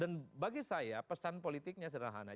dan bagi saya pesan politiknya sederhana